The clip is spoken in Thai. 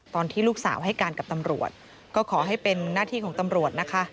ตอนที่ลูกสาวให้การกับตำรวจก็ขอให้เป็นหน้าที่ของตำรวจนะคะ